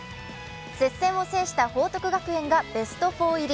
接戦を制した報徳学園がベスト４入り。